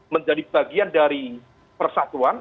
menjadi bagian dari persatuan